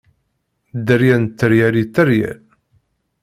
Dderya n tteryel i tteryel!